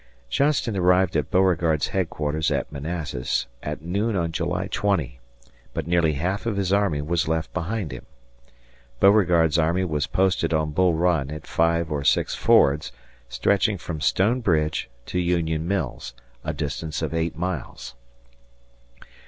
Johnston arrived at Beauregard's headquarters at Manassas at noon on July 20, but nearly half of his army was left behind him. Beauregard's army was posted on Bull Run at five or six fords stretching from Stone Bridge to Union Mills, a distance of eight miles.